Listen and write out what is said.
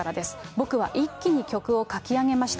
僕は一気に曲を書き上げました。